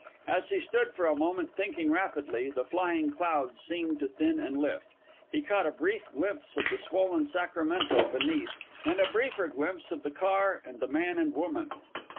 As he stood for a moment, thinking rapidly, the flying clouds seemed to thin and lift. He caught a brief glimpse of the swollen Sacramento beneath, and a briefer glimpse of the car and the man and woman.